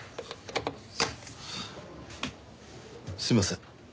すいません